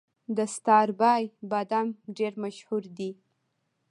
د ستاربای بادام ډیر مشهور دي.